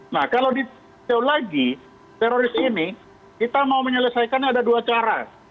nah kalau ditau lagi teroris ini kita mau menyelesaikan ada dua cara